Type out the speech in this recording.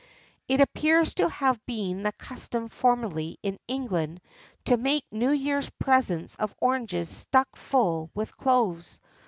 [XIII 39] It appears to have been the custom formerly, in England, to make new year's presents of oranges stuck full with cloves.